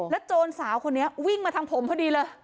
โจรสาวคนนี้วิ่งมาทางผมพอดีเลย